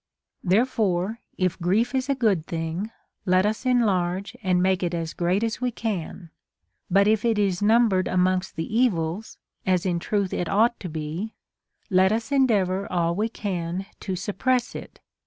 Therefore if grief is a good thing, let us enlarge and make it as great as we can ; but if it is numbered amongst the evils, as in truth it ought to be, let us endeavor all we can to suppress it.